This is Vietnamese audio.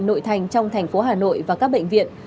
nội thành trong thành phố hà nội và các bệnh viện